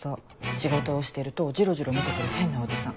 仕事をしてるとジロジロ見て来る変なおじさん。